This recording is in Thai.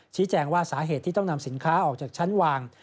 ชี้แจงว่าสาเหตุที่ต้องนำสินค้าออกจากชั้นวาง